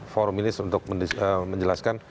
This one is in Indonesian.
forum ini untuk menjelaskan